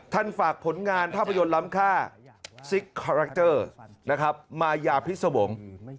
ท่านฝากผลงานภาพยนตร์ล้ำค่าซิกคอรักเจอร์มาย้าพิสวง